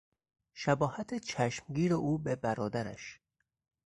شباهت چشمگیر او به برادرش